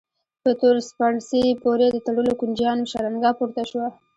په تور سپڼسي پورې د تړلو کونجيانو شرنګا پورته شوه.